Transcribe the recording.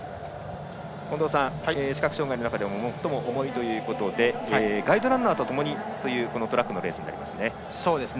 近藤さん、視覚障がいの中でも最も重いということでガイドランナーとともにというトラックのレースですね。